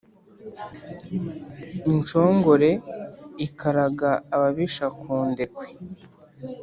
Inshongore ikaraga ababisha ku ndekwe,